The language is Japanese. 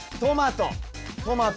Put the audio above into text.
トマト。